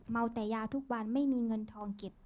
แต่ยาทุกวันไม่มีเงินทองเก็บ